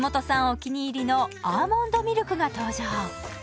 お気に入りのアーモンドミルクが登場。